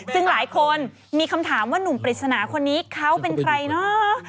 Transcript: ซึ่งหลายคนมีคำถามว่านุ่มปริศนาคนนี้เขาเป็นใครเนาะ